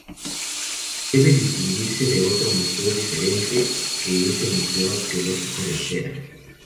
Debe distinguirse de otro museo diferente que es el Museo Arqueológico de Thera.